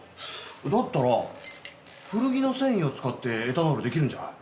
だったら古着の繊維を使ってエタノールできるんじゃないの？